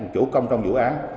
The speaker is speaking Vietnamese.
chủ công trong vụ án